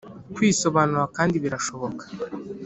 kwisobanura kandi birashoboka